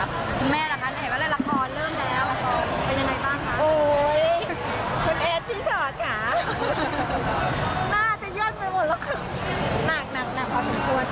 หนักพอสมควร